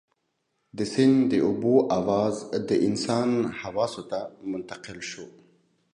د سيند د اوبو اواز د انسان حواسو ته منتقل شو.